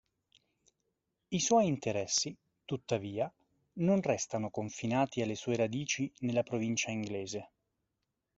I suoi interessi, tuttavia, non restarono confinati alle sue radici nella provincia inglese.